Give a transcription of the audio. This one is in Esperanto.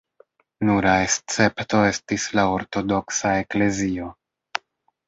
Nura escepto estis la ortodoksa eklezio.